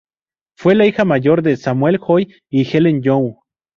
Fue la hija mayor de Samuel Joy y Helen Young.